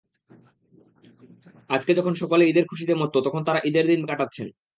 আজকে যখন সকলে ঈদের খুশিতে মত্ত তখন তারা রাস্তায় ঈদের দিন কাটাচ্ছেন।